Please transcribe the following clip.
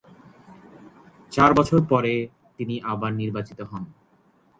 চার বছর পরে তিনি আবার নির্বাচিত হন।